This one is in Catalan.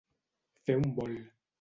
Fer un volt.